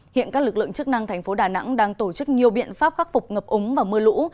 hiện các lực lượng chức năng thành phố đà nẵng đang tổ chức nhiều biện pháp khắc phục ngập ống và mưa lũ